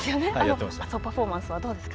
熱男パフォーマンスはどうですか。